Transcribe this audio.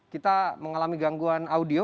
kita mengalami gangguan audio